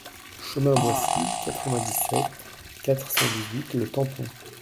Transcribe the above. Chemin Boissy, quatre-vingt-dix-sept, quatre cent dix-huit Le Tampon